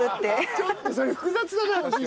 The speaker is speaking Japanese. ちょっとそれ複雑だなおじい